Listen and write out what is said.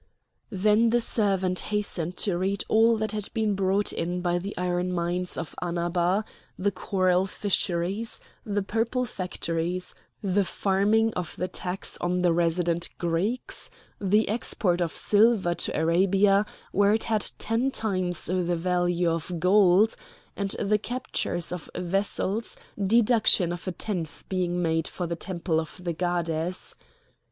Then the servant hastened to read all that had been brought in by the iron mines of Annaba, the coral fisheries, the purple factories, the farming of the tax on the resident Greeks, the export of silver to Arabia, where it had ten times the value of gold, and the captures of vessels, deduction of a tenth being made for the temple of the goddess.